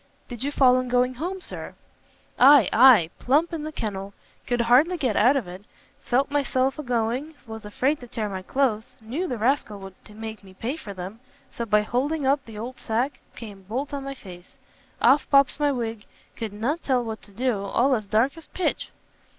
"Did you fall in going home, Sir?" "Ay, ay, plump in the kennel; could hardly get out of it; felt myself a going, was afraid to tear my cloaths, knew the rascal would make me pay for them, so by holding up the old sack, come bolt on my face! off pops my wig; could not tell what to do; all as dark as pitch!"